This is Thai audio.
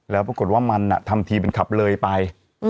แล้วปรากฏว่ามันทำทีเป็นขับเลยไป